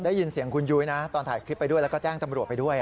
ได้ยินเสียงคุณยุ้ยนะตอนถ่ายคลิปไปด้วยแล้วก็แจ้งตำรวจไปด้วย